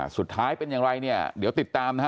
สุดท้ายเป็นอย่างไรเนี่ยเดี๋ยวติดตามนะฮะ